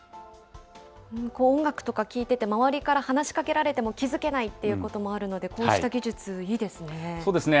音楽とか聴いてて、周りから話しかけられても気付けないってこともあるので、こうした技術、いいですね。